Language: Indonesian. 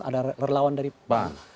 ada relawan dari pan